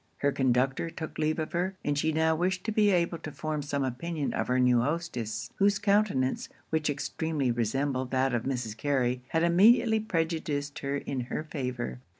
Her conductor took leave of her; and she now wished to be able to form some opinion of her new hostess; whose countenance, which extremely resembled that of Mrs. Carey, had immediately prejudiced her in her favour.